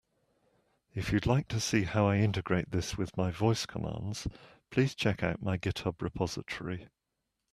If you'd like to see how I integrate this with my voice commands, please check out my GitHub repository.